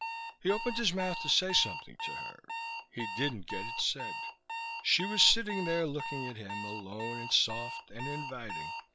He opened his mouth to say something to her. He didn't get it said. She was sitting there, looking at him, alone and soft and inviting.